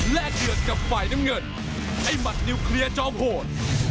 แลกเดือนกับไฟน้ำเงินไอ้มัดนิวเคลียร์จ้องโหด